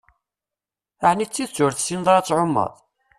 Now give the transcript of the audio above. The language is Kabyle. Ɛni d tidett ur tessineḍ ara ad tɛumeḍ?